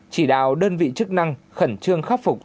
chỉ đạo đơn vị chức năng khẩn trương khắc phục